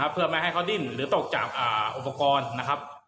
เพื่อไม่ให้เขาดิ้นหรือตกจากอุปกรณ์นะครับ